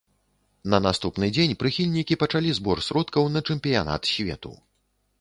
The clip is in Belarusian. На наступны дзень прыхільнікі пачалі збор сродкаў на чэмпіянат свету.